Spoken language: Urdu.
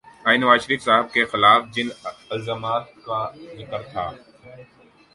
آج نوازشریف صاحب کے خلاف جن الزامات کا ذکر ہوتا ہے،